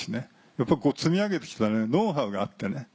やっぱ積み上げて来たノウハウがあって。